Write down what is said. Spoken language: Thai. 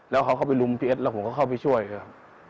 แล้วเขาเข้าไปรุมพี่เอ็ดแล้วผมก็เข้าไปช่วยครับ